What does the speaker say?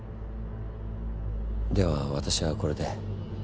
では私はこれで。